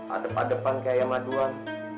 adep adepan kayak yang maduan